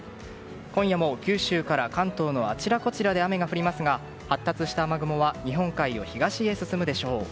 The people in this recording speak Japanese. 今夜も九州から関東のあちらこちらで雨が降りますが発達した雨雲は日本海を東に進むでしょう。